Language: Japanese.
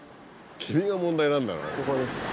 君が問題なんだから。